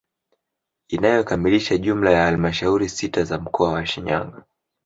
Inayokamilisha jumla ya halmashauri sita za mkoa wa Shinyanga